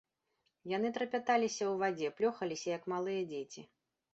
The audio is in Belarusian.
Яны трапяталіся ў вадзе, плёхаліся, як малыя дзеці.